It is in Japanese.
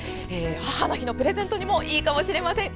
母の日のプレゼントにもいいかもしれません。